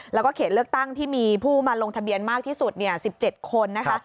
แล้วก็เขตเลือกตั้งที่มีผู้มาลงทะเบียนมากที่สุด๑๗คนนะคะ